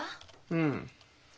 うん。